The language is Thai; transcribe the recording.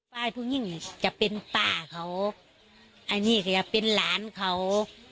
ป้ายพุ่งยิ่งจะเป็นป้าเขาอันนี้จะเป็นหลานเขา